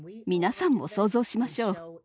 皆さんも想像しましょう。